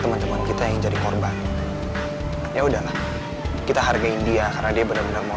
teman teman kita yang jadi korban ya udahlah kita hargai dia karena dia benar benar mau